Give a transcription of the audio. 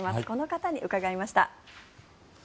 この方に伺いました。